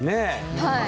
はい。